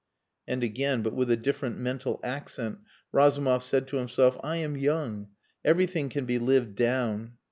And again, but with a different mental accent, Razumov said to himself, "I am young. Everything can be lived down."